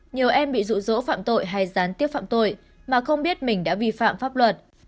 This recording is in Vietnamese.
nhiều em bị rụ rỗ phạm tội hay gián tiếp phạm tội mà không biết mình đã vi phạm pháp luật